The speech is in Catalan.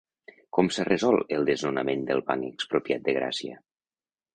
Com s'ha resolt el desnonament del Banc Expropiat de Gràcia?